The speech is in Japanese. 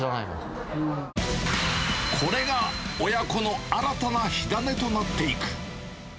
これが、親子の新たな火種となっていく。